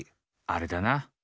あれだな！